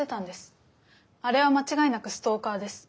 あれは間違いなくストーカーです。